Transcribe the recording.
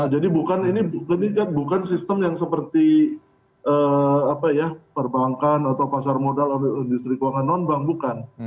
jadi ini bukan sistem yang seperti perbankan atau pasar modal industri keuangan non bank bukan